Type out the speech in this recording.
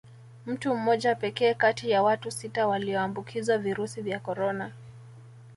Mtu mmoja pekee kati ya watu sita walioambukizwa virusi vya Corona